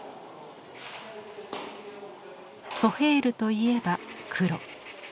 ソヘイルといえば黒。